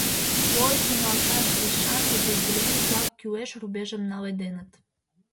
Бой тӱҥалшаш лишан подразделений-влак кӱлеш рубежым наледеныт.